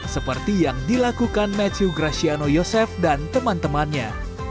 seperti yang dilakukan matthew graciano yosef dan teman temannya